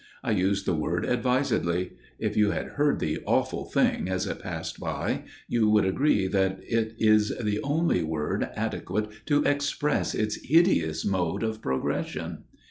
I use the word advisedly. If you had heard the awful thing as it passed by you would agree that it is the only word adequate to express its hideous mode of progression.